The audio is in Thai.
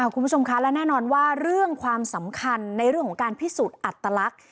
คุณผู้ชมคะและแน่นอนว่าเรื่องความสำคัญในเรื่องของการพิสูจน์อัตลักษณ์